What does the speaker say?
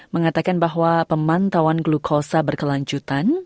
mengatakan bahwa pemantauan glukosa berkelanjutan